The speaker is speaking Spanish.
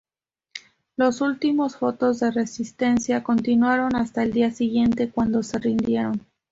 Los últimos fotos de resistencia continuaron hasta el día siguiente, cuando se rindieron.